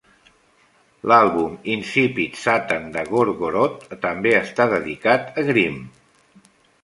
L'àlbum "Incipit Satan" de Gorgoroth també està dedicat a Grim.